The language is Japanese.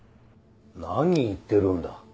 何言ってるんだ。